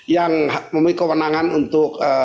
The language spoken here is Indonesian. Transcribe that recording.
yang memiliki kewenangan untuk